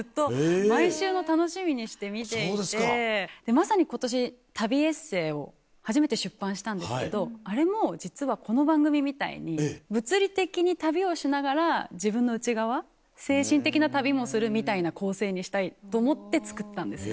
まさに今年旅エッセーを初めて出版したんですけどあれも実はこの番組みたいに物理的に旅をしながら自分の内側精神的な旅もするみたいな構成にしたいと思って作ったんですよ。